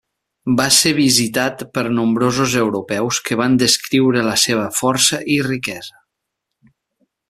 Va ser visitat per nombrosos europeus que van descriure la seva força i riquesa.